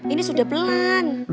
ini sudah pelan